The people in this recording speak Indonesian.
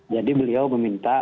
jadi beliau meminta